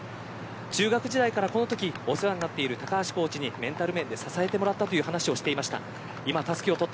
中学時代からお世話なっている高橋コーチにメンタル面で支えてもらったと話していました。